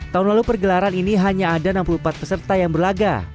tahun lalu pergelaran ini hanya ada enam puluh empat peserta yang berlaga